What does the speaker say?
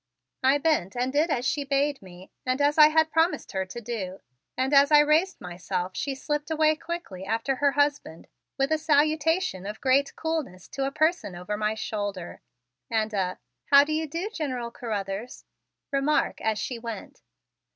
I bent and did as she bade me and as I had promised her to do, and as I raised myself she slipped away quickly after her husband with a salutation of great coolness to a person over my shoulder and a "How do you do, General Carruthers" remark as she went.